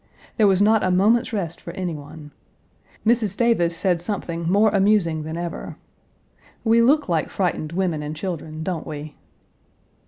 There was not a moment's rest for any one. Mrs. Davis said something more amusing than ever: "We look like frightened women and children, don't we?"